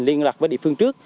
liên lạc với địa phương trước